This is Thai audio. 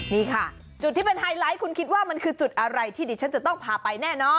นี่ค่ะจุดที่เป็นไฮไลท์คุณคิดว่ามันคือจุดอะไรที่ดิฉันจะต้องพาไปแน่นอน